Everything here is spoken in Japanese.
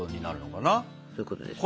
そういうことですね。